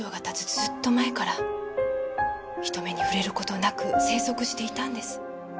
ずーっと前から人目に触れることなく生息していたんです。